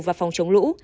và phòng chống lũ